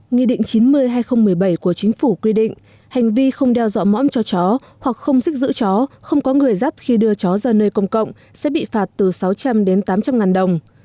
nghị định chín mươi hai nghìn một mươi bảy của chính phủ quy định hành vi không đeo dọ mõm cho chó hoặc không xích giữ chó không có người dắt khi đưa chó ra nơi công cộng sẽ bị phạt từ sáu trăm linh đến tám trăm linh ngàn đồng